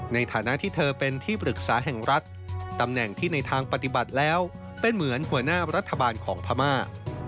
ในฐานะที่เธอเป็นที่ปรึกษาแห่งรัฐตำแหน่งที่ในทางปฏิบัติแล้วเป็นเหมือนหัวหน้ารัฐบาลของพม่า